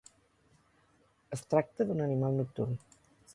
Es tracta d'un animal nocturn.